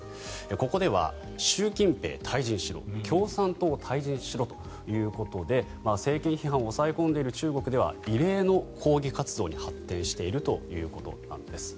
ここでは習近平、退陣しろ共産党、退陣しろということで政権批判を抑え込んでいる中国では異例の抗議活動に発展しているということなんです。